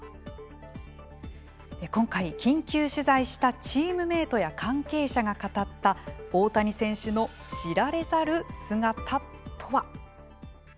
今回緊急取材したチームメートや関係者が語った大谷選手の知られざる姿とは。